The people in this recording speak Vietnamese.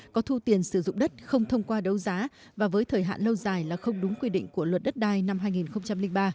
có thu tiền sử dụng đất không thông qua đấu giá và với thời hạn lâu dài là không đúng quy định của luật đất đai năm hai nghìn ba